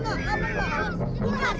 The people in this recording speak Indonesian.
tangkis tangkis tangkis